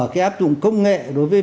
cái áp dụng công nghệ đối với